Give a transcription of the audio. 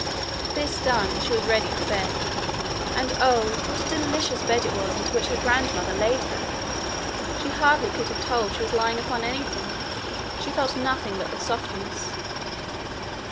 This done, she was ready for bed. And oh, what a delicious bed it was into which her grandmother laid her! She hardly could have told she was lying upon anything: she felt nothing but the softness.